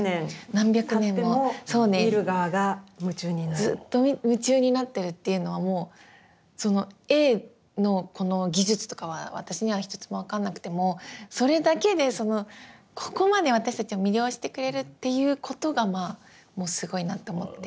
ずっと夢中になってるっていうのはもうその絵のこの技術とかは私には１つも分かんなくてもそれだけでここまで私たちを魅了してくれるっていうことがまあもうすごいなって思って。